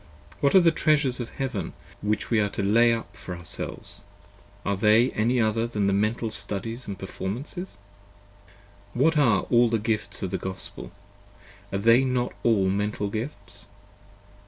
What are the Treasures of Heaven which we are to lay up for our 20 selves, are they any other than Mental Studies & Performances? What are all the Gifts of the Gospel, are they not all Mental Gifts?